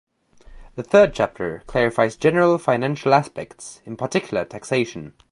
The third chapter clarifies general financial aspects, in particular taxation.